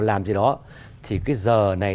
làm gì đó thì cái giờ này